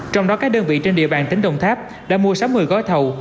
trong đó các đơn vị trên địa bàn tính đồng tháp đã mua sắm một mươi gói thầu